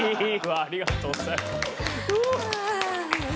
ありがとうございます。